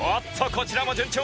こちらも順調。